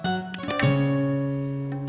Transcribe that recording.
di depan kau